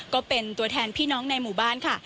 ก็เป็นตัวแทนพี่น้องในหมู่บ้านค่ะ